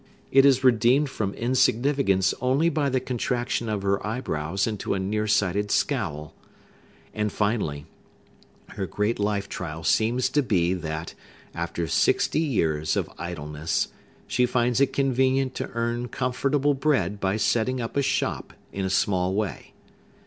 It is redeemed from insignificance only by the contraction of her eyebrows into a near sighted scowl. And, finally, her great life trial seems to be, that, after sixty years of idleness, she finds it convenient to earn comfortable bread by setting up a shop in a small way.